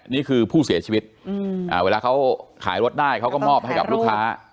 นี่คือผู้เสียชีวิตเวลาเขาขายรถได้เขาก็มอบให้กับลูกค้า